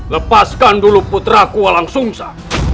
lepaskan dulu putraku walang sungsa